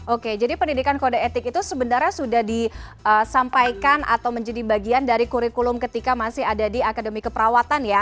oke jadi pendidikan kode etik itu sebenarnya sudah disampaikan atau menjadi bagian dari kurikulum ketika masih ada di akademi keperawatan ya